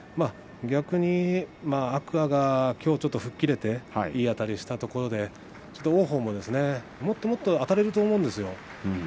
逆に天空海が、きょう吹っ切れていいあたりをしたところで王鵬も、もっともっとあたれると思うんですよ。